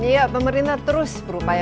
ya pemerintah terus berupaya